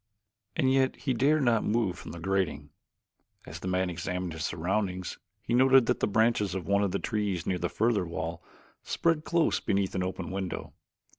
And yet he dared not move from the grating. As the man examined his surroundings he noted that the branches of one of the trees near the further wall spread close beneath an open window.